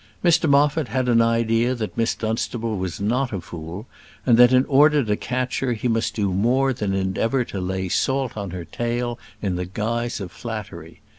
Mr Moffat had an idea that Miss Dunstable was not a fool, and that in order to catch her he must do more than endeavour to lay salt on her tail, in the guise of flattery.